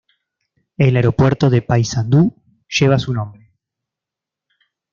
El Aeropuerto de Paysandú lleva su nombre.